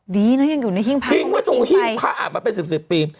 ดีนะยังอยู่ในหิ้งพระทิ้งไว้ตรงหิ้งพระอาจมาเป็นสิบสิบปี